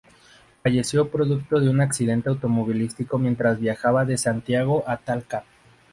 Falleció producto de un accidente automovilístico mientras viajaba de Santiago a Talca.